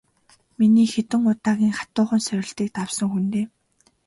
Миний хэдэн удаагийн хатуухан сорилтыг давсан хүн дээ.